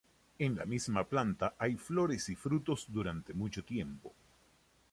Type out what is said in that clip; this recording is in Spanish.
En la misma planta hay flores y frutos durante mucho tiempo.